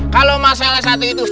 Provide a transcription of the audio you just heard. kalau masalah satu itu